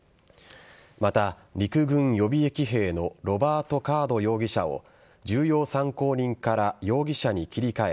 また、陸軍予備役兵のロバート・カード容疑者を重要参考人から容疑者に切り替え